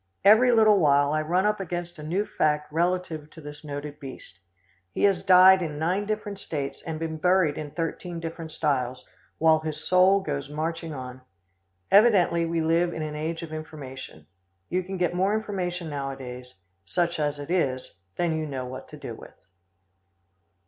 Every little while I run up against a new fact relative to this noted beast. He has died in nine different States, and been buried in thirteen different styles, while his soul goes marching on. Evidently we live in an age of information. You can get more information nowadays, such as it is, than you know what to do with.